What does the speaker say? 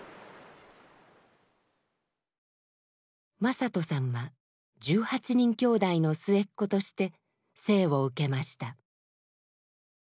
正人さんは１８人きょうだいの末っ子として生を受けました。